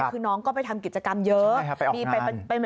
คือน้องก็ไปทำกิจกรรมเยอะ